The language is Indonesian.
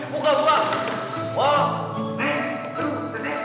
ya salah orangnya jadi jadian